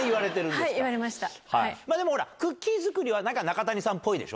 でもほら、クッキー作りは、なんか中谷さんっぽいでしょ。